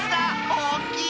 おおきい！